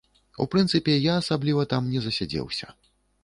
У прынцыпе, я асабліва там не засядзеўся.